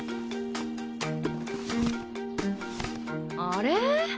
あれ？